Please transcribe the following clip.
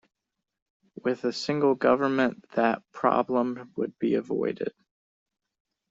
With a single government that problem would be avoided.